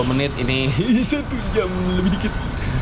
empat puluh menit ini satu jam lebih dikit